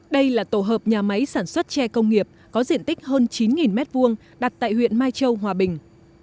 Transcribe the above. đây là tổ hợp nhà máy sản xuất tre công nghiệp có diện tích hơn chín m hai đặt tại huyện mai châu hòa bình